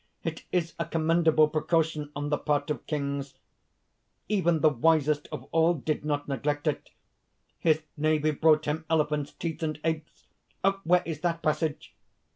It is a commendable precaution on the part of Kings. Even the Wisest of all did not neglect it. His navy brought him elephants' teeth and apes.... Where is that passage?"